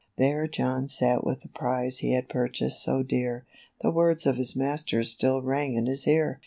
There John sat with the prize he had purchased so dear; The words of his master still rang in his ear.